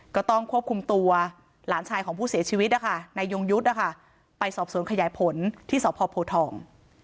ก็ต้องควบคุมตัวหลานชายของผู้เสียชีวิตนะคะนายยงยุทธ์นะคะไปสอบสวนขยายผลที่สพโพทอง